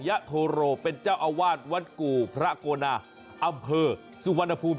ยะโทโรเป็นเจ้าอาวาสวัดกู่พระโกนาอำเภอสุวรรณภูมิ